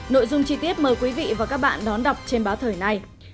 nội dung chi tiết mời quý vị và các bạn đón đọc trên báo thời này